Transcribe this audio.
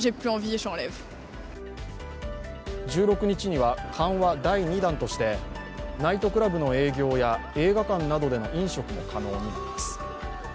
１６日には緩和第２弾として、ナイトクラブの営業や映画館などでの飲食も可能になります。